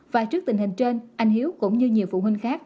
và trước tình hình trên anh hiếu cũng như nhiều phụ huynh khác